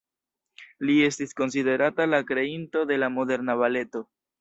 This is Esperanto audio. Li estis konsiderata la kreinto de la moderna baleto.